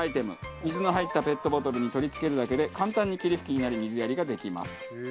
水の入ったペットボトルに取り付けるだけで簡単に霧吹きになり水やりができます。